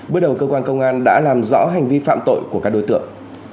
bước đầu cơ quan công an đã làm rõ hành vi phạm tội của các đối tượng